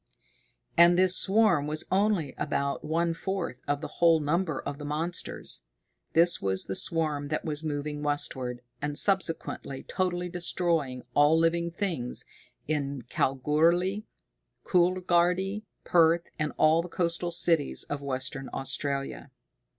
And this swarm was only about one fourth of the whole number of the monsters. This was the swarm that was moving westward, and subsequently totally destroyed all living things in Kalgoorlie, Coolgardie, Perth, and all the coastal cities of Western Australia.